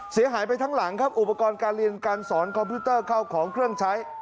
เสียหายไปทั้งหลังครับอุปกรณ์การเรียนการสอนคอมพิวเตอร์เข้าของเครื่องใช้